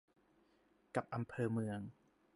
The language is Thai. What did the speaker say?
กับอำเภอเมือง